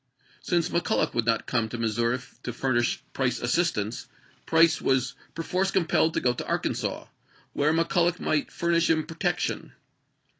Since McCuUoch would not come to Missouri to furnish Price assistance, Price was per force compelled to go to Arkansas, where McCul loch might furnish him protection.